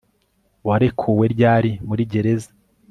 Warekuwe ryari muri gereza